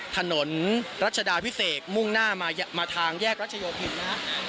ถนนรัชดาพิเศษมุ่งหน้ามาทางแยกรัชโยธินนะฮะ